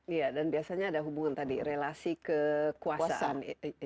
iya dan biasanya ada hubungan tadi relasi kekuasaan